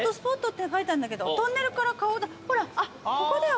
トンネルから顔ほらここだよ